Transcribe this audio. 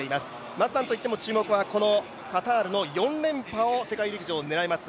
まずなんといっても注目はカタールの４連覇を狙います